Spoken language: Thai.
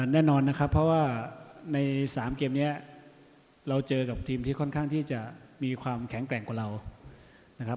แน่นอนนะครับเพราะว่าใน๓เกมนี้เราเจอกับทีมที่ค่อนข้างที่จะมีความแข็งแกร่งกว่าเรานะครับ